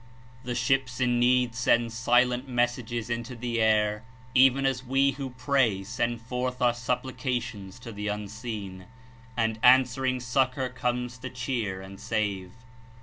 The ships in need send silent messages into the air (even as we who pray send forth our supplications to the Unseen) and answering succor comes to cheer and save.